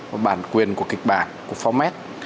và bản quyền của kịch bản của format